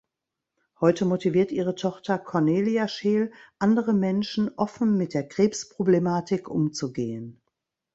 Heute motiviert ihre Tochter Cornelia Scheel andere Menschen, offen mit der Krebs-Problematik umzugehen.